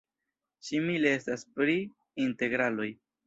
Simile estas pri integraloj.